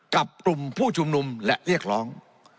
กับกลุ่มผู้ชุมนุมและเรียกร้อง